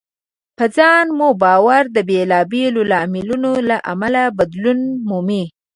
په ځان مو باور د بېلابېلو لاملونو له امله بدلون مومي.